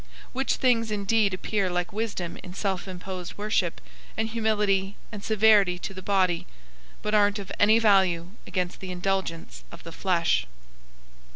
002:023 Which things indeed appear like wisdom in self imposed worship, and humility, and severity to the body; but aren't of any value against the indulgence of the flesh.